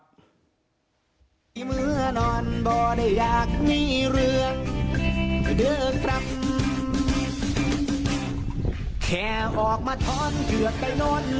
พอกมาจิ้มเบาเผื่อได้เข้ารงบาลย้อนผู้สาวเสื้อเขาเข้าจึงให้